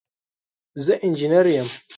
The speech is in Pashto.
زه انجينر يم.